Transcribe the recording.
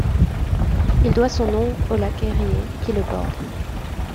Il doit son nom au Lac Érié qui le borde.